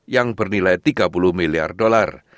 yang bernilai tiga puluh miliar dolar